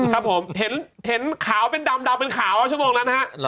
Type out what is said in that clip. เห็นขาวเป็นดำดำเป็นขาวชั่วโมงนั้นฮะ